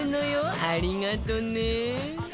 ありがとうね